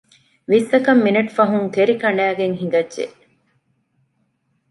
ވިއްސަކަށް މިނެޓު ފަހުން ކެރިކަނޑައިގެން ހިނގައްޖެ